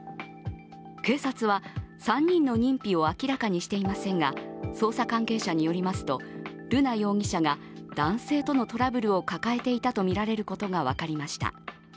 警察は、３人の認否を明らかにしていませんが捜査関係者によりますと、瑠奈容疑者が男性とのトラブルを抱えていたとみられることが分かりました。